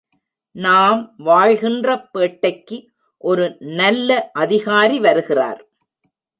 நாம் வாழ்கின்ற பேட்டைக்கு ஒரு நல்ல அதிகாரி வருகிறார்.